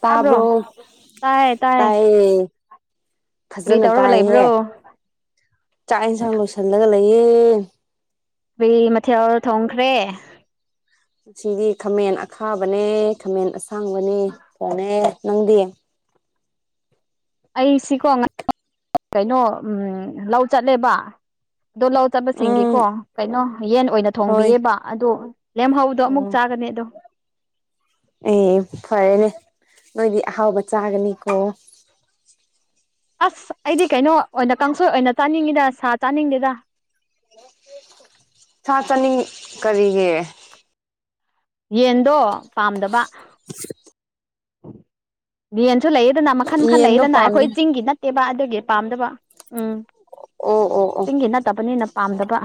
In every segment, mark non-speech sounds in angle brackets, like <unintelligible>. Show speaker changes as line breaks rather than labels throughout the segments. ꯇꯕꯣ
ꯇꯥꯕ꯭ꯔꯣ ꯇꯥꯏ ꯇꯥꯏ
ꯇꯥꯏꯌꯦ
ꯀꯔꯤ
ꯐꯖꯅ
ꯇꯧꯔꯒ
ꯇꯥꯏꯍꯦ
ꯂꯩꯕ꯭ꯔꯣ
ꯆꯥꯛ ꯏꯟꯁꯥꯡ ꯂꯣꯏꯁꯤꯜꯂꯒ ꯂꯩꯌꯦ
ꯃꯊꯦꯜ ꯊꯣꯡꯈ꯭ꯔꯦ
ꯉꯁꯤꯗꯤ ꯈꯥꯃꯦꯟ ꯑꯈꯥꯕꯅꯦ ꯈꯥꯃꯦꯟ ꯑꯁꯥꯡꯕꯅꯦ ꯊꯣꯡꯉꯦ ꯅꯪꯗꯤ
ꯑꯩꯁꯤꯀꯣ ꯉ ꯀꯩꯅꯣ ꯂꯧ ꯆꯠꯂꯦꯕ ꯑꯗꯣ ꯂꯧ <unintelligible> ꯆꯠ
ꯎꯝ
ꯆꯠꯕꯁꯤꯡꯒꯤꯀꯣ ꯀꯩꯅꯣ ꯌꯦꯟ ꯑꯣꯏꯅ
ꯍꯣꯏ
ꯊꯣꯡꯕꯤꯌꯦꯕ ꯑꯗꯣ ꯂꯦꯝꯍꯧꯗꯣ ꯑꯃꯨꯛ
ꯑꯣ
ꯆꯥꯒꯅꯤ ꯑꯗꯣ
ꯑꯦ ꯐꯔꯦꯅꯦ ꯅꯣꯏꯗꯤ ꯑꯍꯥꯎꯕ ꯆꯥꯒꯅꯤꯀꯣ
ꯑꯁ ꯑꯩꯗꯤ ꯀꯩꯅꯣ ꯑꯣꯏꯅ ꯀꯥꯡꯁꯣꯏ ꯑꯣꯏꯅ ꯆꯥꯅꯤꯡꯉꯤꯗ ꯁꯥ ꯆꯥꯅꯤꯡꯗꯦꯗ
ꯊ ꯆꯅꯤ ꯀꯔꯤꯒꯤ
ꯌꯦꯟꯗꯣ ꯄꯥꯝꯗꯕ
<inaudible>
ꯚꯦꯟꯁꯨ ꯂꯩꯌꯦꯗꯅ ꯃꯈꯟ ꯃꯈꯟ
ꯌꯦꯟꯗꯣ
ꯂꯩꯌꯦꯗꯅ
ꯄꯥꯝꯗꯦ
ꯑꯩꯈꯣꯏ ꯆꯤꯡꯒꯤ ꯅꯠꯇꯦ ꯇꯦꯕꯥ ꯑꯗꯨꯒꯤ ꯄꯥꯝꯗꯕ ꯎꯝ
ꯑꯣ ꯑꯣ ꯑꯣ
ꯐꯠꯇꯕꯅꯤꯅ ꯄꯥꯝꯗꯕ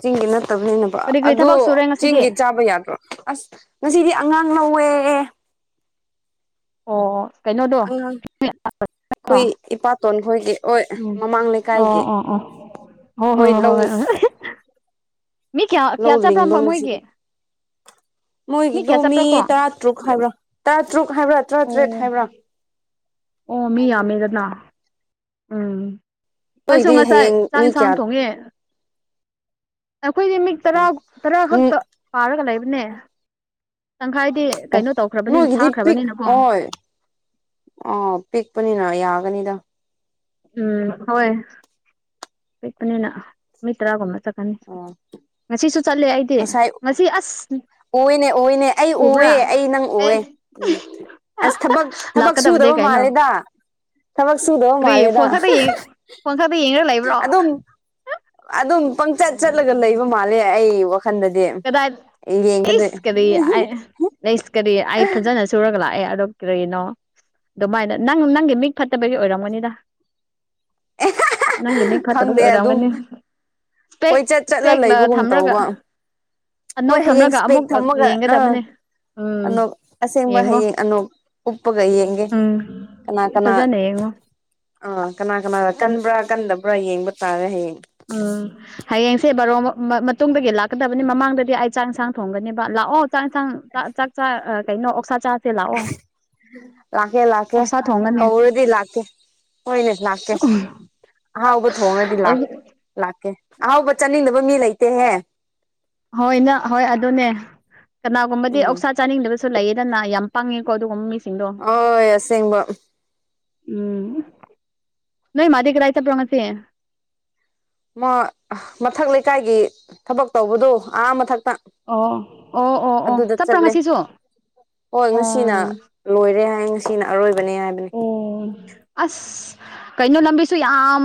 ꯆꯦꯡꯒꯤ ꯅꯠꯇꯕꯅꯤꯅꯕ
ꯀꯔꯤ ꯀꯔꯤ
ꯑꯗꯣ
ꯊꯕꯛ ꯁꯨꯔꯦ ꯉꯁꯤꯗꯤ
ꯆꯦꯡꯒꯤ ꯆꯥꯕ ꯌꯥꯗ꯭ꯔꯣ ꯑꯁ ꯉꯁꯤꯗꯤ ꯑꯉꯥꯡ ꯂꯧꯋꯦ
ꯑꯣ ꯀꯩꯅꯣꯗꯣ
ꯑꯉꯥꯡ ꯑꯩꯈꯣꯏ ꯏꯄꯥꯇꯣꯟ ꯍꯒꯦ ꯑꯣꯏ
ꯎꯝ ꯑꯣ ꯑꯣ ꯑꯣ ꯑꯣ ꯍꯣꯏ
ꯃꯣꯏ
ꯍ
ꯂꯧ
ꯍꯣꯏ ꯍꯣꯏ ꯃꯤ ꯀꯌꯥ
ꯂꯧ
ꯀꯌꯥ ꯆꯠꯄ꯭ꯔꯥ
ꯂꯤꯡꯕ
ꯃꯣꯏꯒꯤ
ꯉꯁꯤꯗꯤ ꯃꯣꯏꯒꯤꯗꯣ
ꯀꯌꯥ
ꯃꯤ
ꯆꯠꯄ꯭ꯔꯥ ꯀꯣ
ꯇꯔꯥ ꯇꯔꯨꯛ ꯍꯥꯏꯕ꯭ꯔ ꯇꯔꯥ ꯇꯔꯨꯛ ꯍꯥꯏꯕ꯭ꯔꯥ ꯇꯔꯥ ꯇꯔꯦꯠ
ꯑꯣ
ꯍꯥꯏꯕ꯭ꯔꯥ
ꯑꯣ ꯃꯤ
ꯍꯥꯏꯕꯅꯦ
ꯌꯥꯝꯃꯦꯗꯅ ꯎꯝ ꯑꯩꯁꯨ
ꯅꯣꯏꯒꯤꯗꯤ
ꯉꯁꯥꯏ
ꯍꯌꯦꯡ
ꯆꯥꯛ
ꯃꯤ
ꯌꯦꯟꯁꯥꯡ
ꯀꯌꯥ
ꯊꯣꯡꯉꯦ ꯑꯩꯈꯣꯏꯗꯤ ꯃꯤ ꯇꯔꯥ ꯇꯔꯥ
ꯎꯝ
ꯈꯛꯇ ꯄꯥꯔꯒ ꯂꯩꯕꯅꯦ ꯇꯪꯈꯥꯏꯗꯤ
ꯑꯣ
ꯀꯩꯅꯣ ꯇꯧꯈ꯭ꯔꯕꯅꯤꯅ
ꯅꯣꯏꯗꯤꯞ ꯄꯤꯛ
ꯊꯥꯈ꯭ꯔꯕꯅꯤꯅꯀꯣ
ꯑ ꯑꯣ ꯄꯤꯛꯄꯅꯤꯅ ꯌꯥꯒꯅꯤꯗ
ꯎꯝ ꯍꯣꯏ ꯄꯤꯛꯄꯅꯤꯅ ꯅꯨꯃꯤꯠ ꯇꯔꯥꯒꯨꯝꯕ ꯆꯠꯀꯅꯤ
ꯑꯥ
ꯉꯁꯤꯁꯨ ꯆꯠꯂꯦ ꯑꯩꯗꯤ ꯉꯁꯤ ꯑꯁ
ꯎꯨꯏꯅꯦ ꯎꯨꯏꯅꯦ ꯑꯩ
ꯎꯕ꯭ꯔꯥ
ꯎꯨꯏꯌꯦ ꯑꯩ ꯅꯪ
ꯑꯦ
ꯎꯨꯏꯌꯦ ꯎꯝ ꯑꯁ ꯊꯕꯛ ꯊꯕꯛ
ꯂꯥꯛꯀꯗꯕꯅꯦ
ꯁꯨꯗꯕ
ꯀꯩꯅꯣ
ꯃꯥꯜꯂꯦꯗ ꯊꯃꯛ ꯁꯨꯗꯣ ꯃꯥꯂꯦꯗ
ꯄꯪ ꯂꯩ <unintelligible>
ꯑꯗꯨꯝ ꯑꯗꯨꯝ ꯄꯪꯆꯠ ꯆꯠꯂꯒ ꯂꯩꯕ ꯃꯥꯜꯂꯦ ꯑꯩ ꯈꯟꯗꯗꯤ
ꯀꯗꯥꯏꯗ
ꯌꯦꯡꯒꯗ
ꯑꯩꯁ ꯀꯔꯤ ꯑꯩ ꯑꯩꯁ ꯀꯔꯤ ꯑꯩ ꯐꯖꯅ ꯁꯨꯔꯒ ꯂꯥꯛꯑꯦ ꯑꯗꯣ ꯀꯔꯤꯅꯣ ꯑꯗꯨꯃꯥꯏꯅ ꯅꯪ ꯅꯪꯒꯤ ꯃꯤꯛ ꯐꯠꯇꯕꯒꯤ ꯑꯣꯏꯔꯝꯒꯅꯤꯗ ꯅꯪꯒꯤ ꯃꯤꯠ ꯐꯠꯇꯕꯒꯤ
ꯈꯪꯗꯦ ꯑꯗꯨꯝ
ꯑꯣꯏꯔꯒꯅꯤ ꯁꯄꯦꯛꯦꯛ
ꯀꯣꯏꯆꯠ ꯆꯠꯂ
ꯁꯄꯦꯛꯦꯛꯂ
ꯂꯩꯕꯒꯨꯝ
ꯊꯝ꯭ꯔꯒ
ꯇꯧꯕ
ꯅꯣꯛ
ꯍꯣꯏ ꯍꯌꯦꯡ
ꯊꯝꯂꯒ ꯑꯃꯨꯛ
ꯏꯁꯄꯦꯛ ꯊꯝꯃꯒ ꯑꯥ
ꯌꯦꯡꯒꯗꯕꯅꯦ ꯎꯝ
ꯑꯅꯣꯛ ꯑꯁꯦꯡꯕ
ꯌꯦꯡꯉꯣ
ꯍꯌꯦꯡ ꯑꯅꯣꯛ ꯎꯞꯄꯒ ꯌꯦꯡꯒꯦ ꯀꯅꯥ ꯀꯅꯥ
ꯁꯖꯥꯅꯦ ꯌꯦꯉ
ꯑꯥ ꯀꯅꯥ ꯀꯅꯥꯗ ꯀꯟꯕ꯭ꯔꯥ ꯀꯟꯗꯕ꯭ꯔꯥ ꯌꯦꯡꯕ ꯇꯥꯔꯦ ꯍꯌꯦꯡ
ꯎꯝ ꯍꯌꯦꯡꯁꯦ ꯕꯔꯣ ꯃꯇꯨꯡꯗꯒꯤ ꯂꯥꯛꯀꯗꯕꯅꯤ ꯃꯃꯥꯡꯗꯗꯤ ꯑꯩ ꯆꯥꯛ ꯏꯟꯁꯥꯡ ꯊꯣꯡꯒꯅꯦꯕ ꯂꯥꯛꯑꯣ ꯍꯛ ꯆꯥꯡ ꯌꯦꯟꯁꯥꯡꯥꯛ ꯆꯥꯛ ꯆꯥ ꯀꯩꯅꯣ ꯑꯣꯛꯁꯥ ꯆꯥꯁꯦ ꯂꯥꯛꯑꯣ
ꯂꯥꯛꯀꯦ ꯂꯥꯛꯀꯦ
ꯑꯣꯛꯁꯥ ꯊꯣꯡꯒꯅꯤ
ꯀꯧꯔꯗꯤ ꯂꯥꯛꯀꯦ ꯍꯣꯏꯅꯦ ꯂꯥꯛꯀꯦ ꯑꯍꯥꯎꯕ ꯊꯣꯡꯉꯒꯗꯤ ꯂꯥꯛꯀꯦ ꯑꯍꯥꯎꯕ ꯆꯥꯅꯤꯡꯗꯕ ꯃꯤ ꯂꯩꯇꯦꯍꯦ
ꯍꯣꯏ ꯅ ꯍꯣꯏ ꯑꯗꯨꯅꯦ ꯀꯅꯥꯒꯨꯝꯕꯗꯤ
ꯎꯝ
ꯑꯣꯛꯁꯥ ꯆꯥꯅꯤꯡꯗꯕꯁꯨ ꯂꯩꯌꯦꯗꯅ ꯌꯥꯝ ꯄꯥꯡꯪꯉꯦꯀꯣ ꯑꯗꯨꯒꯨꯝ ꯃꯤ
ꯑꯣꯏ ꯑꯁꯦꯡꯕ
ꯎꯝ ꯅꯣꯏ ꯃꯥꯗꯤ ꯀꯗꯥꯥꯏ ꯆꯠꯄ꯭ꯔꯣꯉꯁꯤ
ꯃꯊꯛ ꯂꯩꯀꯥꯏꯒꯤ ꯊꯕꯛ ꯇꯧꯕꯗꯣ ꯑꯍꯥ ꯃꯊꯛꯇ
ꯑꯣ ꯑꯣ ꯑꯣ ꯑꯣ
ꯑꯗꯨꯗ
ꯆꯠꯄ꯭ꯔꯥ
ꯆꯠꯂꯦ
ꯉꯁꯤꯁꯨ ꯑꯣ
ꯍꯣꯏ ꯉꯁꯤꯅ ꯂꯣꯏꯔꯦ ꯍꯥꯏꯌꯦ ꯉꯁꯤꯅ ꯑꯔꯣꯏꯕꯅꯦ ꯍꯥꯏꯕꯅꯤ
ꯑꯁ ꯀꯩꯅꯣ ꯂꯝꯕꯤꯁꯨ ꯌꯥꯝ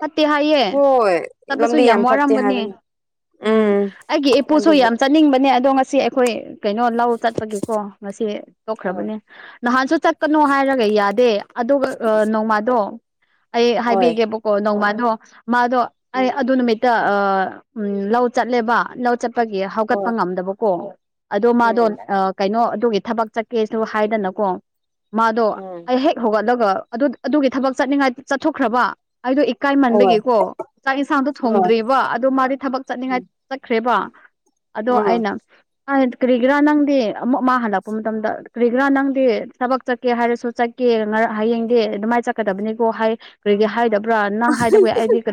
ꯐꯠꯇꯦ ꯍꯥꯏꯌꯦ
ꯍꯣꯏ
ꯆꯠꯄꯁꯨ
ꯂꯝꯕꯤ
ꯌꯥꯝ
ꯐꯠꯇꯦ ꯍꯥꯏꯕꯅꯤ
ꯋꯥꯔꯝꯒꯅꯤ ꯎꯝ ꯑꯩꯒꯤ ꯏꯄꯨꯁꯨ
ꯑꯗꯨꯕꯨ
ꯌꯥꯝ ꯆꯠꯅꯤꯡꯕꯅꯦ ꯑꯗꯣ ꯉꯁꯤ ꯑꯩꯈꯣꯏ ꯀꯩꯅꯣ ꯂꯧ ꯆꯠꯄꯒꯤꯀꯣ ꯉꯁꯤ
ꯍꯣꯏ
ꯇꯣꯛꯈ꯭ꯔꯕꯅꯦ ꯅꯍꯥꯟꯁꯨ ꯆꯠꯀꯅꯨ ꯍꯥꯏꯔ ꯈꯔꯒ ꯌꯥꯗꯦ ꯑꯗꯨꯒ ꯅꯣꯡꯃꯥꯗꯣ ꯑꯩ
ꯍꯣꯏ
ꯍꯥꯏꯕꯤꯒꯦꯕꯀꯣ ꯅꯣꯡꯃꯥꯗꯣ ꯃꯥꯗꯣ ꯑꯩ
ꯎꯝ
ꯑꯗꯨ ꯅꯨꯃꯤꯠꯇ ꯎ ꯂꯧ ꯆꯠꯂꯦꯕ ꯂꯧ ꯆ ꯠꯄꯒꯤ ꯍꯧꯒꯠꯄ
ꯍꯣꯏ
ꯉꯝꯗꯕꯀꯣ ꯑꯗꯣ ꯃꯥꯗꯣ
ꯎꯝ
ꯀꯩꯅꯣ ꯑꯗꯨꯒꯤ ꯊꯕꯛ ꯆꯠꯀꯦꯁꯨ ꯍꯥꯏꯗꯅꯀꯣ ꯃꯥꯗꯣ
ꯎꯝ
ꯑꯩ ꯍꯦꯛ ꯍꯧꯒꯠꯂꯒ ꯑꯗꯨ ꯑꯗꯨꯒꯤ ꯊꯕꯛ ꯆꯠꯅꯤꯡꯉꯥꯏ ꯆꯠꯊꯣꯛꯈ꯭ꯔꯕ ꯑꯩꯗꯣ
ꯑꯣ
ꯏꯀꯥꯏꯃꯟꯕꯒꯤꯀꯣ ꯆꯥꯛ ꯌꯦꯟꯁꯥꯡꯗꯣ ꯊꯣꯡꯗ꯭ꯔꯤꯕꯔꯤꯕ ꯑꯗꯨꯣ ꯃꯥꯗꯤ ꯊꯕꯛ ꯆꯠꯅꯤꯡꯉꯥꯏ
ꯎꯝ
ꯆꯠꯈ꯭ꯔꯦꯕ ꯑꯗꯣ ꯑꯅ ꯀꯔꯤꯒꯤꯔꯥ ꯅꯪꯗꯤ ꯑꯃꯨꯛ ꯃꯥ ꯍꯜꯂꯛꯄ ꯃꯇꯝꯗ ꯀꯔꯤꯒꯤꯔꯥ ꯅꯪꯗꯤ ꯊꯕꯛ ꯆꯠꯀꯦ ꯍꯥꯏꯔꯁꯨ ꯆꯠꯀꯦ ꯍꯌꯦꯡꯗ ꯑꯗꯨꯃꯥꯏꯅ ꯆꯠꯀꯗꯕꯅꯤꯀꯣ ꯍꯥꯏ ꯀꯔꯤ ꯍꯥꯏꯗ ꯭ꯔꯥ ꯅꯪ ꯍꯥꯏꯗꯕ ꯌꯥ ꯑꯩꯗꯤ ꯀ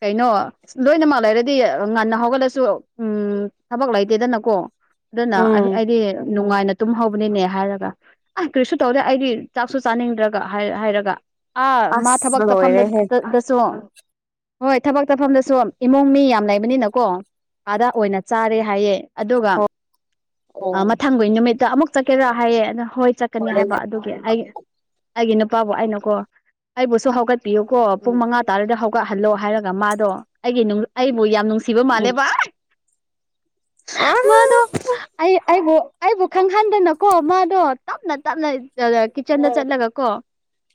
ꯀꯩꯅꯣ ꯂꯣꯏꯅꯃꯛ ꯂꯩꯔꯗꯤ ꯉꯟꯅ ꯍꯧꯒꯠꯂꯁꯨ ꯎꯝ ꯊꯕꯛ ꯂꯩꯇꯦꯗꯅꯀꯣ ꯑꯗꯨꯅ
ꯎꯝ
ꯑꯩꯗꯤ ꯅꯨꯡꯉꯥꯏꯅ ꯇꯨꯝꯍꯧꯕꯅꯤꯅꯦ ꯍꯥꯏꯔꯒ ꯑꯩ ꯀꯔꯤꯁꯨ ꯇꯧꯗꯦ ꯑꯩꯗꯤ ꯆꯥꯛꯁꯨ ꯆꯥꯅꯤꯡꯗ꯭ꯔꯒ ꯍꯥꯏꯔꯒ ꯑꯥ ꯃꯥ ꯊꯕꯛ
ꯑꯁ ꯂꯣꯏꯔꯦꯍꯦ
ꯆꯠꯐꯝꯗꯁꯨ ꯍꯣꯏ ꯊꯕꯛ ꯇꯧꯐꯝꯗꯁꯨ ꯏꯃꯨꯡ ꯃꯤ ꯌꯥꯝ ꯂꯩꯕꯅꯤꯅꯀꯣ ꯑꯥꯗꯥ ꯑꯣꯏꯅ ꯆꯥꯔꯦ ꯍꯥꯏꯌꯦꯦ ꯑꯗꯨꯒ
ꯍꯣꯏ
ꯑ
ꯑꯣ
ꯃꯊꯪꯒꯤꯩ ꯅꯨꯃꯤꯠꯇ ꯑꯃꯨꯛ ꯆꯠꯀꯦꯔꯥ ꯍꯥꯏꯌꯦ ꯑꯗ ꯍꯣꯏ ꯆꯠꯀꯅꯤ ꯍꯥꯏꯕ
ꯍꯣꯔꯦꯟꯅꯦ
ꯑꯗꯨ ꯑꯩ ꯑꯩꯒꯤ ꯅꯨꯄꯥꯕꯨ ꯑꯩꯅꯀꯣ ꯑꯩꯕꯨꯁꯨ ꯍꯧꯒꯠꯄꯤꯌꯨꯀꯣ ꯄꯨꯡ
ꯎꯝ
ꯃꯉꯥ ꯇꯥꯔꯗ ꯍꯧꯒꯠ ꯀꯍꯜꯂꯣ ꯍꯥꯏꯔꯒ ꯃꯥꯗꯣ ꯑꯩꯒꯤ ꯑꯩꯕꯨ ꯌꯥꯝ ꯅꯨꯡꯁꯤꯕ ꯃꯥꯜꯂꯦ
ꯎꯝ
ꯚ
ꯑꯥ
ꯃꯥꯗ ꯑꯩ ꯑꯩꯕꯨ ꯑꯩꯕꯨ ꯈꯪꯍꯟꯗꯅꯀꯣ ꯃꯥꯗꯣ ꯇꯞꯅ ꯇꯞꯅ
ꯎꯝ
ꯀꯤꯠꯆꯟꯗ ꯆꯠꯂꯒ ꯀꯣ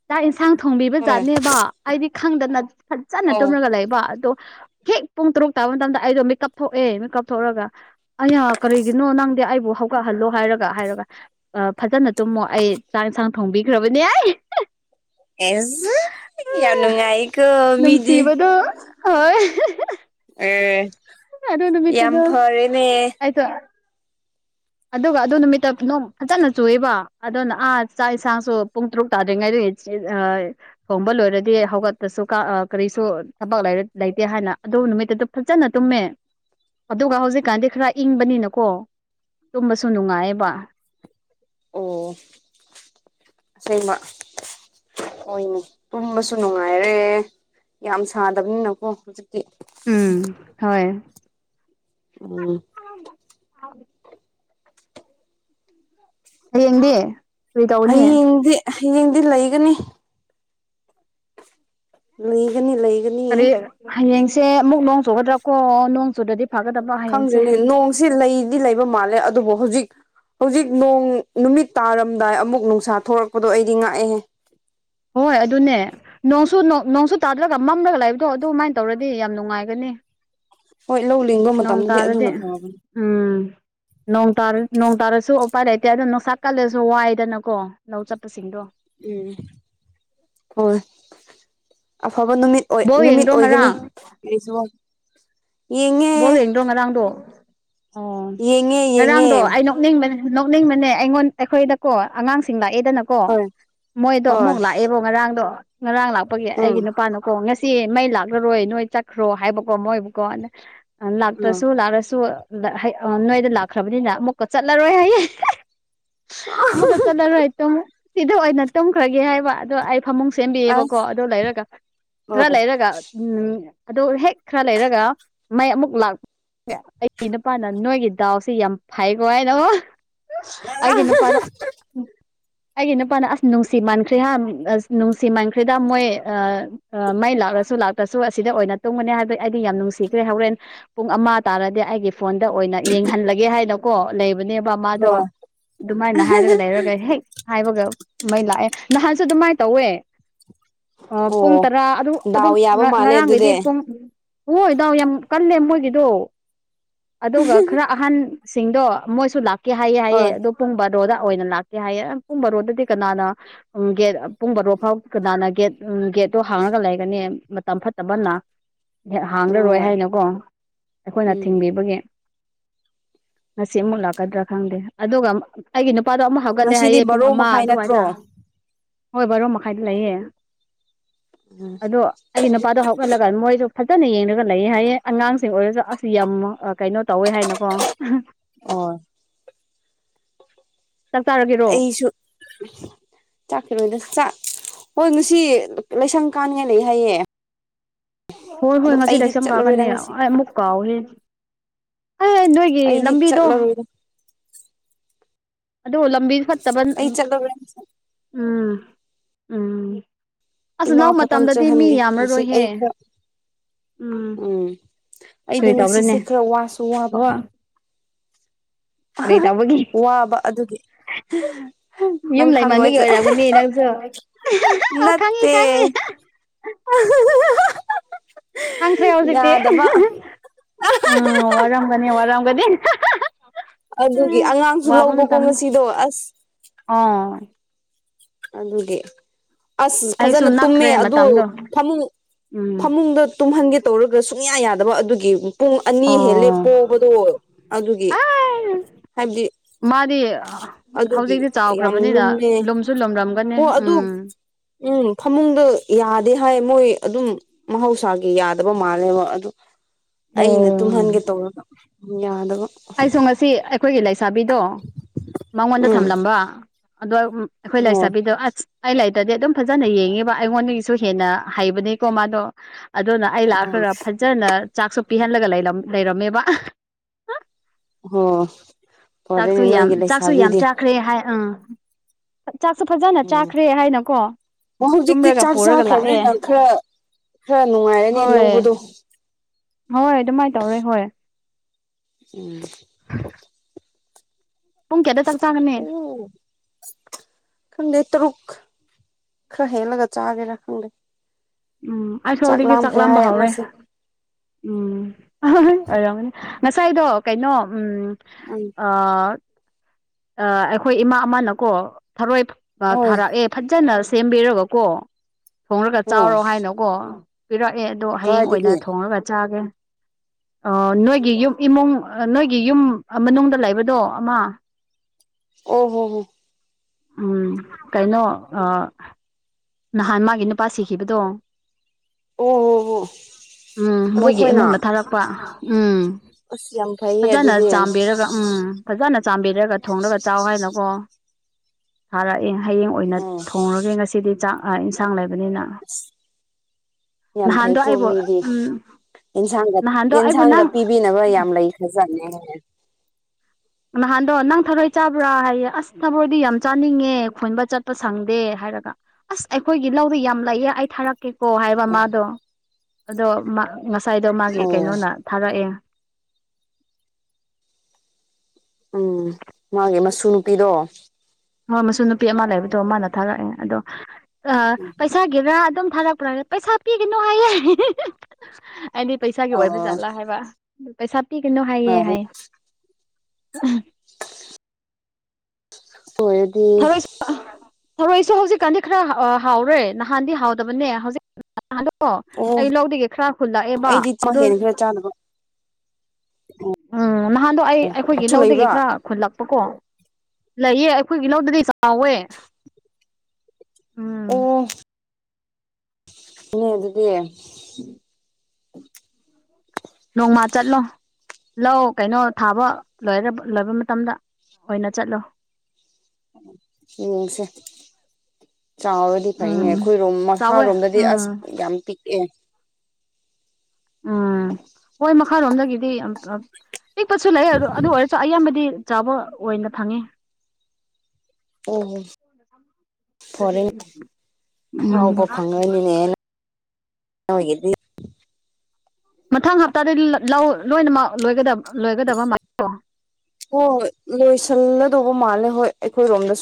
ꯆꯥꯛ ꯏꯟꯁꯥꯡ
ꯍꯣꯏ
ꯊꯣꯡꯕꯤꯕꯖꯥꯠꯅꯦꯕ ꯑꯩꯗꯤ ꯈꯪꯗꯅ ꯐꯖꯅ
ꯑꯧ
ꯇꯨꯝꯔꯒ ꯂꯩꯕ ꯑꯗꯣ ꯍꯦꯛ ꯄꯨꯡ ꯇꯔꯨꯛ ꯇꯥꯕ ꯃꯇꯝꯗ ꯑꯩꯗꯣ ꯃꯤꯀꯞ ꯊꯣꯛꯑꯦ ꯃꯤꯀꯞ ꯊꯣꯛꯑꯒ ꯑꯌꯥ ꯀꯔꯤꯒꯤꯅꯣ ꯅꯪꯗꯤ ꯑꯩꯕꯨ ꯍꯧꯒꯠꯍꯜꯂꯣ ꯍꯥꯏꯔꯒ ꯍꯥꯏꯔꯒ ꯑ ꯐꯖꯅ ꯇꯨꯝꯃꯣ ꯑꯩ ꯆꯥꯛ ꯌꯦꯟꯁꯥꯡ ꯊꯣꯡꯕꯤꯈ꯭ꯔꯕꯅꯦ ꯍꯥꯏ
ꯑꯦ ꯌꯥꯝ ꯅꯨꯡꯉꯥꯏꯀꯣ ꯃꯤꯗꯤ
ꯅꯨꯡꯁꯤꯕꯗꯣ ꯍꯣꯏ
ꯑꯦ ꯌꯥꯝ ꯐꯔꯦꯅꯦ
ꯍꯥꯏꯣ ꯑꯗꯨꯒ ꯑꯗꯨ ꯅꯨꯃꯤꯠꯇ ꯅꯣꯡ ꯐꯖꯅ ꯆꯨꯕ ꯑꯗꯨꯅ ꯑꯥ ꯆꯥꯛ ꯌꯦꯁꯥꯡꯁꯨ ꯄꯨꯡ ꯇꯔꯨꯛ ꯇꯥꯗ꯭ꯔꯤꯉꯩꯗ ꯑ <unintelligible> ꯊꯣꯡꯕ ꯂꯣꯏꯔꯗꯤ ꯍꯧꯒꯠꯇꯄꯁꯨ ꯀꯔꯤꯁꯨ ꯊꯕꯛ ꯂꯩꯇꯦ ꯍꯥꯏꯅ ꯑꯗꯨ ꯅꯨꯃꯤꯠꯇ ꯑꯗꯨ ꯐꯖꯅ ꯇꯨꯝꯃꯦ ꯑꯗꯨꯒ ꯍꯧꯖꯤꯛꯀꯥꯟꯗꯤ ꯈꯔ ꯏꯪꯕꯅꯤꯅꯀꯣ ꯇꯨꯝꯕꯁꯨ ꯅꯨꯡꯉꯥꯏꯌꯦꯕ
ꯑꯣ ꯑꯁꯦꯡꯕ ꯍꯣꯏꯅꯦ ꯇꯨꯝꯕꯁꯨ ꯅꯨꯡꯉꯥꯏꯔꯦ ꯌꯥꯝ ꯁꯥꯗꯕꯅꯤꯅꯀꯣ ꯍꯧꯖꯤꯛꯤ
ꯎꯝ ꯍꯣꯏ
ꯑꯣ
ꯍꯥꯎ ꯎ <unintelligible> ꯍꯌꯦꯡꯗꯤ ꯀꯔꯤ ꯇꯧꯅꯤ
ꯍꯌꯦꯡꯗꯤ ꯍꯌꯦꯡꯗꯤ ꯂꯩꯒꯅꯤ ꯂꯩꯒꯅꯤ ꯂꯩꯒꯅꯤ
ꯀꯔꯤ ꯍꯌꯦꯡꯁꯦ ꯑꯃꯨꯛ ꯅꯣꯡ ꯆꯨꯒꯗ꯭ꯔꯥ ꯀꯣ ꯅꯣꯡ ꯆꯨꯗꯗꯤ ꯐꯒꯗꯕ ꯍꯌꯦꯡꯁꯦ
ꯈꯪꯗ꯭ꯔꯤꯅꯦ ꯅꯣꯡꯁꯤ ꯂꯩꯗꯤ ꯂꯩꯕ ꯃꯥꯜꯂꯦ ꯑꯗꯨꯕꯨ ꯍꯧꯖꯤꯛ ꯍꯧꯖꯤꯛ ꯅꯣꯡ ꯅꯨꯃꯤꯠ ꯇꯥꯔꯝꯗꯥꯏ ꯑꯃꯨꯛ ꯅꯨꯡꯁꯥ ꯊꯣꯛꯣꯔꯛꯄꯗꯣ ꯑꯩꯗꯤ ꯉꯥꯛꯑꯦꯍꯦ
ꯍꯣꯏ ꯑꯗꯨꯅꯦ ꯅꯣꯡꯁꯨ ꯅꯣꯡꯁꯨ ꯇꯥꯗ꯭ꯔꯒ ꯃꯝꯂꯒ ꯂꯥꯛꯏꯕꯗꯣ ꯑꯗꯨꯃꯥꯏꯅ ꯇꯧꯔꯗꯤ ꯌꯥꯝ ꯅꯨꯡꯉꯥꯏꯒꯅꯤ
ꯍꯣꯏ ꯂꯧ ꯂꯤꯡꯕ
ꯅꯣꯡ
ꯃꯇꯝꯗꯗꯤ
ꯇꯥꯔꯗꯤ
ꯑꯗꯨꯅ ꯐꯪꯉꯕꯅꯤ
ꯎꯝ ꯅꯣꯡ ꯇꯥꯔꯁꯨ ꯎꯄꯥꯏ ꯂꯩꯇꯦ ꯑꯗꯨꯗꯣ ꯅꯨꯡꯁꯥ ꯀꯜꯂꯁꯨ ꯋꯥꯏꯗꯅꯀꯣ ꯂꯧ ꯆꯠꯄꯁꯤꯡꯗꯣ
ꯎꯝ ꯍꯣꯏ ꯑꯐꯕ ꯅꯨꯃꯤꯠ
ꯕꯣꯜ
ꯅꯨꯃꯤꯠ
ꯌꯦꯡꯗ꯭ꯔꯣ
ꯑꯣꯏꯒꯅꯤ
ꯉꯔꯥꯡ
ꯀꯁꯨ
ꯕꯣ ꯌꯦꯡꯗ꯭ꯔꯣ ꯉꯔꯥꯡꯗꯣ ꯑꯣ
ꯌꯦꯡꯉꯦ ꯌꯦꯡꯉꯦ
ꯉꯔꯥꯡꯗꯣ ꯑꯩꯅ ꯅꯣꯛꯅꯤꯡꯕꯅꯦ ꯅꯣꯛꯅꯤꯡꯕꯅꯦ ꯑꯩꯉꯣꯟ ꯑꯩꯈꯣꯏꯗꯀꯣ ꯑꯉꯥꯡꯁꯤꯡ ꯂꯥꯛꯑꯦꯗꯅ ꯀꯣ
ꯍꯣꯏ
ꯃꯣꯏꯗꯣ
ꯍꯣꯏ
ꯑꯃꯨꯛ ꯂꯥꯛꯑꯦꯕꯣ ꯉꯔꯥꯡꯗꯣ ꯉꯔꯥꯡ ꯂꯥꯛꯄꯒꯤ
ꯎꯝ
ꯑꯩꯒꯤ ꯅꯨꯄꯥꯅꯀꯣ ꯉꯁꯤ ꯁꯤ ꯃꯩ ꯂꯥꯛꯂꯔꯣꯏ ꯅꯣꯏ ꯆꯠꯈ꯭ꯔꯣ ꯍꯥꯏꯕꯀꯣ ꯃꯣꯏꯕꯨꯀꯣ ꯑꯗ
ꯎꯝ
ꯂꯥꯛꯇ꯭ꯔꯁꯨ ꯂꯥꯛꯂꯁꯨ ꯅꯣꯏꯗ ꯂꯥꯛꯈ꯭ꯔꯕꯅꯤꯅ ꯑꯃꯨꯛꯀ ꯆꯠꯂꯔꯣꯏ ꯍꯥꯏꯌꯦ ꯑꯃꯨꯛꯀ ꯆꯠꯂꯔꯣꯏ ꯇꯨꯝ ꯁꯤꯗ ꯑꯣꯏꯅ ꯇꯨꯝꯈ꯭ꯔꯒꯦ ꯍꯥꯏꯕ ꯑꯗꯣ ꯐꯃꯨꯡ ꯁꯦꯝꯕꯤꯌꯦꯕꯀꯣ
ꯑꯁ
ꯑꯗꯨ ꯂꯩꯔꯒ ꯈꯔ
ꯍꯣꯏ
ꯂꯩꯔꯒ ꯎꯝ ꯑꯗꯣ ꯍꯦꯛ ꯈꯔ ꯂꯩꯔꯒ ꯃꯩ ꯑꯃꯨꯛ ꯂꯥꯛꯄꯦ ꯑꯩꯒꯤ ꯅꯨꯄꯥꯅ ꯅꯣꯏꯒꯤ ꯗꯥꯎꯁꯤ ꯌꯥꯝ ꯐꯩꯀꯣ ꯍꯥꯏꯅꯣ ꯍꯥꯏꯦꯅ ꯄ ꯑꯩꯒꯤ ꯅꯨꯄꯥꯅ ꯑꯁ ꯅꯨꯡꯁꯤ ꯃꯥꯟꯈ꯭ꯔꯦꯍ ꯑꯁ ꯅꯨꯡꯁꯤ ꯃꯟꯈ꯭ꯔꯦꯗ ꯃꯣꯏ ꯑ ꯃꯩ ꯂꯥꯛꯂꯁꯨ ꯂꯥꯛꯇ꯭ꯔꯁꯨ ꯑꯁꯤꯗ ꯑꯣꯏꯅ ꯇꯨꯝꯒꯅꯤ ꯍꯥꯏꯕ ꯑꯩꯗꯤ ꯌꯥꯝ ꯅꯨꯡꯁꯤ ꯁꯤꯈ꯭ꯔꯦ ꯍꯣꯔꯦꯟ ꯄꯨꯡ ꯑꯃ ꯇꯥꯔꯗꯤ ꯑꯩꯒꯤ ꯐꯣꯟꯗ ꯑꯣꯏꯅ ꯌꯦꯡꯍꯜꯂꯒꯦ ꯍꯥꯏꯅ ꯀꯣ ꯂꯩꯕꯅꯦꯕ ꯃꯥꯗꯣ
ꯍꯣꯏ
ꯑꯗꯨꯃꯥꯏꯅ ꯍꯥꯏꯔꯒ ꯂꯩꯔꯒ ꯍꯦꯛ ꯍꯥꯏꯕꯒ ꯃꯩ ꯂꯥꯛꯑꯦ ꯅꯍꯥꯟꯁꯨ ꯑꯗꯨꯃꯥꯏꯅ ꯇꯧꯋꯦ ꯑ ꯄꯨꯡ
ꯑꯣ
ꯇꯔꯥ ꯑꯗꯨ ꯑꯗꯨꯝ
ꯗꯥꯎ ꯌꯥꯕ ꯃꯥꯜꯂꯦ
ꯉꯔꯥꯡꯈꯩꯗꯤ
ꯑꯗꯨꯗꯤ
ꯄꯨꯡ ꯍꯣꯏꯣꯏ ꯗꯥꯎ ꯌꯥꯝ ꯀꯜꯂꯦ ꯃꯣꯏꯒꯤꯗꯣ ꯑꯗꯨꯒ ꯈꯔ ꯑꯍꯟꯁꯤꯡꯗꯣ ꯃꯣꯏꯁꯨ ꯂꯥꯛ ꯂꯀꯦ ꯍꯥꯏꯑꯌꯦ ꯍꯥꯏꯑꯌꯦ
ꯍꯣꯏ
ꯑꯗꯨꯣ ꯄꯨꯝꯕ ꯔꯣꯗ ꯑꯣꯏꯅ ꯂꯥꯛꯀꯦ ꯍꯥꯏꯌꯦ ꯄꯨꯝꯕ ꯔꯣꯗꯗꯤ ꯀꯅꯥꯅ ꯎ ꯒꯦꯠ ꯄꯨꯡ ꯔꯣ ꯐꯥꯎ ꯀꯅꯥꯅ ꯒꯦꯠ ꯎ ꯒꯦꯠꯇꯣ ꯍꯥꯡꯉꯒ ꯂꯩꯒꯅꯤ ꯃꯇꯝ ꯐꯠꯇꯕꯅ ꯍꯥꯡꯂꯔꯣꯏ
ꯍꯣꯏ
ꯍꯥꯏꯅꯀꯣ ꯑꯩꯈꯣꯏꯅ
ꯎꯝ
ꯊꯤꯡꯕꯤꯕꯒꯤ ꯉꯁꯤ ꯑꯃꯨꯛ ꯂꯥꯛꯀꯗ꯭ꯔꯥ ꯈꯪꯗꯦ ꯑꯗꯨꯒ ꯑꯩꯒꯤ ꯅꯨꯄꯥꯗꯣ ꯑꯃꯨꯛ ꯍꯧ ꯒꯠꯂꯦ
ꯉꯁꯤꯗꯤ
ꯍꯥꯏꯌꯦ ꯄꯨꯡ
ꯕꯥꯔꯣ
ꯑꯃ
ꯃꯈꯥꯏ ꯅꯠꯇ꯭ꯔꯣ
ꯑꯗꯨꯋꯥꯥꯏꯗ ꯍꯣꯏ ꯕꯥꯔꯣ ꯃꯈꯥꯏꯗ ꯂꯩꯌꯦ ꯑꯗꯣ ꯑꯩꯒꯤ ꯅꯨꯄꯥꯗꯣ ꯍꯧꯒꯠꯂꯒ ꯃꯣꯏꯁꯨ ꯐꯖꯅ ꯌꯦꯡ ꯂꯩ ꯍꯥꯏꯌꯦ ꯑꯉꯥꯡꯁꯤꯡ ꯑꯣꯏꯔꯁꯨ ꯑꯁ ꯌꯥꯝ ꯀꯩꯅꯣ ꯇꯧꯋꯦ ꯍꯥꯏꯅꯀꯣ
ꯑꯣ
ꯆꯥꯛ ꯆꯔꯒꯦ
ꯑꯩꯁꯨ ꯆꯥꯛꯈꯤꯔꯣꯏꯗ ꯍꯣꯏ ꯉꯁꯤ ꯂꯥꯏꯁꯪ ꯀꯥꯅꯤꯡꯉꯥꯏ ꯂꯩ ꯍꯥꯏꯌꯦ
ꯍꯣꯏ ꯍꯣꯏ
ꯑꯗꯣ
ꯉꯁꯤ
ꯑꯩꯗꯤ
ꯂꯥꯏꯁꯝ
ꯆꯠꯂꯔꯣꯏꯗ
ꯀꯥꯀꯅꯤ
ꯉꯁꯤ
ꯑꯩ ꯑꯃꯨꯛ ꯀꯥꯎꯍꯦ ꯍ ꯅꯣꯏꯒꯤ
ꯑꯩꯗꯤ
ꯂꯝꯕꯤꯗꯣ
ꯆꯠꯂꯔꯣꯏꯗ
ꯑꯗꯣ ꯂꯝꯕꯤ ꯐꯠꯇꯕ
ꯑꯩ ꯆꯠꯂꯔꯣꯏ
ꯎꯝ ꯎꯝ ꯑꯁ ꯅꯎ
ꯏꯃꯥ ꯈꯛꯇꯪ
ꯃꯇꯝꯗꯗꯤ ꯃꯤ
ꯆꯠꯍꯟꯒꯦ ꯉꯁꯤ
ꯌꯥꯝꯔꯔꯣꯏꯍꯦ
ꯑꯩ ꯈꯔ
ꯎꯝ ꯀꯩ
ꯑꯩꯗꯣ
ꯇ꯭ꯔꯅꯦ
ꯉꯁꯤꯁꯦ ꯈꯔ ꯋꯥꯁꯨ ꯋꯥꯕ
ꯑꯣ ꯔꯦ ꯇꯕꯒꯤ
ꯋꯥꯕ ꯑꯗꯨꯒꯤ
ꯌꯨꯝ
ꯅꯪ ꯈꯪꯉꯣꯏ
ꯂꯩꯃꯟꯕꯒꯤ ꯑꯣꯏꯔꯔꯕꯅꯤ ꯅꯪꯁꯨ ꯑꯣ ꯈꯪꯉꯤ ꯈꯪꯉꯤ
ꯎ <unintelligible>
ꯍꯪꯈ꯭ꯔꯦ ꯍꯧꯖꯤꯛꯇꯤ ꯎꯝ ꯋꯥꯔꯝꯒꯅꯤ ꯋꯥꯔꯝꯒꯅꯤ
ꯑꯗꯨꯒꯤ
ꯎꯝ
ꯑꯉꯥꯡꯁꯨ ꯂꯧꯕꯀꯣ ꯉꯁꯤꯗꯣ ꯑꯁ
ꯑꯥ
ꯑꯗꯨꯦ ꯑꯁ
ꯑꯩꯁꯨ
ꯐꯖꯅ ꯇꯨꯝꯃꯦ
ꯅꯛꯈ꯭ꯔꯦ
ꯑꯗꯣ
ꯃꯇꯝꯗꯣ
ꯐꯃꯨꯡ
ꯎꯝ
ꯐꯃꯨꯡꯗ ꯇꯨꯝꯍꯟꯒꯦ ꯇꯧꯔꯒ ꯁꯨꯡꯌꯥ ꯌꯥꯗꯕ ꯑꯗꯨꯒꯤ ꯄꯨꯡ ꯑꯅꯤ
ꯑꯣ
ꯍꯦꯜꯂꯦꯞꯄꯣꯕꯗꯣ ꯑꯗꯨꯒꯤ
ꯑꯥꯏ
ꯍꯥꯏꯕꯗꯤ
ꯃꯥꯗꯤ
ꯑꯗꯨꯒꯤ
ꯍꯧꯖꯤꯛꯇꯤ
ꯌꯥꯝ
ꯆꯥꯎꯈ꯭ꯔꯕꯅꯤꯅ
ꯂꯨꯝꯃꯦ
ꯂꯨꯝꯁꯨ ꯂꯨꯝꯔꯝꯒꯅꯤ
ꯍꯣꯏ ꯑꯗꯨ
ꯎꯝ
ꯎꯝ ꯐꯃꯨꯡꯗ ꯌꯥꯗꯦ ꯍꯥꯏ ꯃꯣꯏ ꯑꯗꯨꯝ ꯃꯍꯧꯁꯥꯒꯤ ꯌꯥꯗꯕ ꯃꯥꯅꯦꯦ ꯑꯗꯨ
ꯑꯣ
ꯑꯩꯅ ꯇꯨꯝꯍꯟꯒꯦ ꯇꯧꯔꯒ ꯌꯥꯗꯕ
ꯑꯩꯁꯨ ꯉꯁꯤ ꯑꯩꯈꯣꯏꯒꯤ ꯂꯩꯁꯥꯕꯤꯗꯣ ꯃꯉꯣꯟꯗ
ꯎꯝ
ꯊꯝꯂꯝꯕ ꯑꯗꯣ ꯑꯩꯈꯣꯏ
ꯑꯣ
ꯂꯥꯏꯁꯥꯕꯤꯗꯣ ꯑꯁ ꯑꯩ ꯂꯩꯇꯗꯤ ꯑꯗꯨꯝ ꯐꯖꯅ ꯌꯦꯡꯉꯤꯕ ꯑꯩꯉꯣꯟꯗꯒꯤꯁꯨ ꯍꯦꯟꯅ ꯍꯩꯕꯅꯤꯀꯣ ꯃꯥꯗꯣ ꯑꯗꯨꯅ ꯑꯩ ꯂꯥꯛ
ꯎꯝ
ꯈꯒ ꯐꯖꯅ ꯆꯥꯛꯁꯨ ꯄꯤꯍꯜꯂꯒ ꯂꯩꯔꯝꯃꯦꯕ
ꯑꯣ ꯐꯣꯔꯦꯅꯦ ꯅꯣꯏꯒꯤ ꯂꯩꯁꯥꯕꯤꯗꯤ
ꯥꯈ꯭ꯔꯦ ꯍꯥꯏ ꯑꯥ ꯆꯥꯛꯁꯨ ꯐꯖꯅ ꯆꯥꯈ꯭ꯔꯦ ꯍꯥꯏꯅꯀꯣ
ꯑꯣ ꯍꯧꯖꯤꯛꯇꯤ
ꯇꯨꯝꯔꯒ
ꯆꯥꯛ
ꯄꯨꯔꯒ ꯂꯥꯛꯑꯦ
ꯆꯥꯈ꯭ꯔꯕꯅꯤꯅ ꯈꯔ ꯈꯔ ꯅꯨꯡꯉꯥꯏꯔꯅꯤ
ꯍꯣꯏ
ꯂꯧꯕꯗꯣ
ꯍꯣꯏ ꯑꯗꯨꯃꯥꯏꯅ ꯇꯧꯔꯦ ꯍꯣꯏꯦ
ꯎꯝ
ꯎꯝ ꯄꯨꯡ ꯀꯌꯥꯇ ꯆꯥꯛ ꯆꯥꯒꯅꯤ
ꯈꯪꯗ‌ꯦ ꯇꯔꯨꯛ ꯈꯔ ꯍꯦꯜꯂꯒ ꯆꯥꯒꯦꯔꯥ ꯈꯪꯗꯦ
ꯎꯝ ꯑꯩ
ꯆꯥꯛ
ꯍꯧꯖꯤꯛꯗꯒꯤ
ꯂꯥꯝꯈ꯭ꯔꯦ ꯍꯥꯏ
ꯆꯥꯛꯂꯝꯝꯕ ꯍꯧꯔꯦ
ꯑꯃꯁꯦ
ꯎꯝ ꯍꯣꯏ ꯑꯣꯏꯔꯝꯒꯅꯤ ꯉꯁꯥꯏꯗꯣ ꯀꯩꯅꯣ ꯎꯝ
ꯎꯝ
ꯑꯩꯈꯣꯏ ꯏꯃꯥ ꯑꯃꯅꯀꯣ ꯊꯔꯣꯏ
ꯍꯣꯏ
ꯊꯥꯔꯛꯑꯦ ꯐꯖꯅ ꯁꯦꯝꯕꯤꯔꯕꯀꯣ ꯊꯣꯡꯂꯒ
ꯍꯣꯏ
ꯆꯥꯎꯔꯣ ꯍꯥꯏꯅꯀꯣ ꯄꯤꯔꯛꯑꯦ ꯑꯗꯣ ꯍꯌꯦꯡ ꯑꯣꯏꯅ
ꯀꯗꯥꯏꯗꯒꯤ
ꯊꯣꯡꯉꯒ ꯆꯥꯒꯦ ꯑꯣ ꯅꯣꯏꯒꯤ ꯌꯨꯝ ꯏꯃꯨꯡ ꯅꯣꯏꯒꯤ ꯌꯨꯝ ꯃꯅꯨꯡꯗ ꯂꯩꯕꯗꯣ ꯑꯃ
ꯑꯣ ꯍꯣ ꯍꯣ
ꯎꯝ ꯀꯩꯅꯣ ꯑ ꯅꯍꯥꯟ ꯃꯥꯒꯤ ꯅꯨꯄꯥ ꯁꯤꯈꯤꯕꯗꯣ
ꯑꯣ ꯍꯣ ꯍꯣ
ꯎꯝ
ꯑꯗꯨ
ꯃꯣꯏꯒꯤ
ꯑꯩꯈꯣꯏꯅ
ꯏꯃꯨꯡꯅ ꯊꯥꯔꯛꯄ ꯎꯝ
ꯑꯁ ꯌꯥꯝ ꯐꯩꯌꯦ ꯑꯗꯨꯗꯤ
ꯐꯖꯅ ꯆꯥꯝꯕꯤꯔꯒ ꯎꯝ ꯐꯖꯅ ꯆꯥꯝꯕꯤꯔꯒ ꯊꯣꯡꯂꯒ ꯆꯥꯎ ꯍꯥꯏꯅꯀꯣ ꯊꯔꯛꯑꯦ ꯍꯌꯦꯡ ꯑꯣꯏꯅ
ꯎꯝ
ꯊꯣꯡꯡꯂꯒꯦ ꯉꯁꯤꯗꯤ ꯆꯥꯛ ꯌꯦꯟꯁꯥꯡ ꯂꯩꯕꯅꯤꯅ
ꯑꯨꯁ
ꯅꯍꯥꯟꯗꯣ
ꯌꯥꯝꯐꯩꯏ ꯀ‌ꯣ
ꯑꯩꯕꯨ
ꯃꯗꯤ
ꯎꯝ
ꯑꯦꯟꯁꯥꯡꯒ
ꯅꯍꯥꯟꯗꯣ ꯑꯩꯕꯨ
ꯌꯦꯟꯁꯥꯡꯒ
ꯅꯪ
ꯄꯤꯕꯤꯅꯕ ꯌꯥꯝ ꯂꯩ ꯈꯔꯖꯠꯅꯤ
ꯅꯍꯥꯟꯗꯣ ꯅꯪ ꯊꯔꯣꯏ ꯆꯥꯕ꯭ꯔꯥ ꯍꯥꯏꯌꯦ ꯑꯁ ꯅꯕꯣꯏꯗꯤ ꯌꯥꯝ ꯆꯥꯅꯤꯡꯉꯦ ꯈꯣꯏꯕ ꯆꯠꯄ ꯁꯪꯗꯦ ꯍꯥꯏꯔꯒ ꯑꯁ ꯑꯩꯈꯣꯏꯒꯤ ꯂꯧꯗꯣ ꯌꯥꯝ ꯂꯩꯌꯦ ꯑꯩ ꯊꯥꯔꯛꯀꯦꯀꯣ ꯍꯥꯏꯕ ꯃꯥꯗꯣ ꯑꯗꯣ ꯉꯁꯥꯏꯗꯣ ꯃꯥꯒꯤ
ꯑꯣ
ꯀꯩꯅꯣꯅ ꯊꯥꯔꯛꯑꯦ
ꯎꯝ ꯃꯥꯒꯤ ꯃꯁꯨ ꯅꯨꯄꯤꯗꯣ
ꯍꯣꯏ ꯃꯁꯨ ꯅꯨꯄꯤ ꯑꯃ ꯂꯩꯕꯗꯣ ꯃꯥꯅ ꯊꯥꯔꯛꯑꯦ ꯑꯗꯣ ꯄꯩꯁꯥꯒꯤꯔꯥ ꯑꯗꯨꯝ ꯊꯥꯔꯛꯄ꯭ꯔꯥꯒ ꯄꯩꯁꯥ ꯄꯤꯒꯅꯨ ꯍꯥꯏꯌꯦ ꯑꯩꯗꯤ ꯄꯩꯁꯥꯒꯤ ꯑꯣꯏꯕ
ꯑꯣ
ꯖꯥꯠꯂꯥ ꯍꯥꯏꯕ ꯄꯩꯁ ꯄꯤꯒꯅꯣ ꯍꯥꯏꯌꯦꯑꯦ
ꯐꯔꯦ
ꯍꯥꯏꯌꯦ
ꯍꯣꯏ
ꯊꯔꯣꯏ ꯊꯔꯣꯏꯁꯨ ꯍꯧꯖꯤꯛꯀꯥꯟꯗꯤ ꯈꯔ ꯍꯥꯎꯔꯦ ꯅꯍꯥꯟꯗꯤ ꯍꯥꯎꯗꯕꯅꯦ ꯍꯧꯖꯤꯛ ꯑꯗꯣ
ꯑꯣ
ꯑꯩ ꯂꯧꯒꯦ ꯈꯔ ꯍꯨꯜꯂꯛꯑꯦꯕ
ꯑꯩꯗꯤ ꯃꯥ
ꯑꯗꯣ
ꯍꯦꯟꯈ꯭ꯔꯦ ꯆꯥꯅꯕ
ꯎꯝ ꯅꯍꯥꯟꯗꯣ ꯑꯩ ꯑꯩꯈꯣꯏꯒꯤ
ꯁꯨ
ꯂꯧꯗꯒꯤ
ꯂꯩꯕ꯭ꯔꯥ
ꯈꯔ ꯈꯨꯜꯂꯛꯄꯀꯣ ꯂꯩꯌꯦ ꯑꯩꯈꯣꯏꯒꯤ ꯂꯧꯗꯗꯤ ꯆꯥꯎꯋꯦ ꯎꯝ
ꯑꯣ ꯏ ꯑꯗꯨꯗꯤ
ꯎꯝ ꯅꯣꯡꯃ ꯆꯠꯂꯣ ꯂꯧ ꯀꯩꯅꯣ ꯊꯥꯕ ꯂꯣꯏ ꯂꯣꯏꯕ ꯃꯇꯝꯗ ꯑꯣꯏꯅ ꯆꯠꯂꯣ
ꯎꯝꯁꯦ ꯆꯥꯎ ꯑꯗꯨꯗꯤ ꯐꯩꯅꯦ
ꯎꯝ
ꯑꯩꯈꯣꯏꯔꯣꯝ
ꯆꯥꯎꯋꯦ
ꯃꯁꯥꯔꯣꯝꯗꯗꯤ ꯑꯁ
ꯎꯝ
ꯌꯥꯝ ꯄꯤꯛꯑꯦ
ꯎꯝ ꯍꯣꯏ ꯃꯈꯥꯔꯣꯝꯗꯒꯤꯗꯤ ꯄꯤꯛꯄꯁꯨ ꯂꯩ ꯑꯗꯨ ꯑꯗꯨ ꯑꯣꯏꯔꯁꯨ ꯑꯌꯥꯝꯕꯗꯤ ꯆꯥꯕ ꯑꯣꯏꯅ ꯐꯪꯉꯦ
ꯑꯣꯣ ꯐꯣꯔꯦꯟ ꯍꯥꯎꯕ
ꯎꯝ
ꯐꯪꯉꯅꯤꯅꯦꯅ ꯅꯣꯢꯒꯤꯗꯤ
ꯃꯊꯪ ꯍꯞꯇꯥꯗ ꯂꯧ ꯂꯣꯏꯅꯃꯛ ꯂꯣꯏꯒꯗꯕ ꯃꯥꯜꯂꯦꯀꯣ
ꯍꯣꯏ ꯍꯣꯏ ꯂꯣꯏꯁꯤꯜꯂꯗꯧꯕ ꯃꯥꯜꯂꯦ ꯍꯣꯏ ꯑꯩꯈꯣꯏꯔꯣꯝꯗ